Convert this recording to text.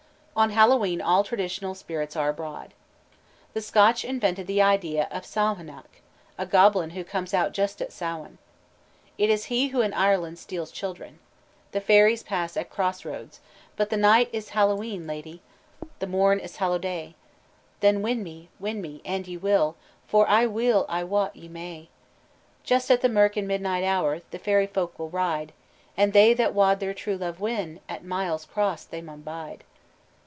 _ On Hallowe'en all traditional spirits are abroad. The Scotch invented the idea of a "Samhanach," a goblin who comes out just at "Samhain." It is he who in Ireland steals children. The fairies pass at crossroads, "But the night is Hallowe'en, lady, The morn is Hallowday; Then win me, win me, and ye will, For weel I wot ye may. "Just at the mirk and midnight hour The fairy folk will ride. And they that wad their true love win, At Miles Cross they maun bide."